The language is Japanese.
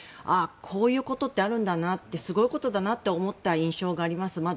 あ、こういうことってあるんだなすごいことだなって思った印象があります。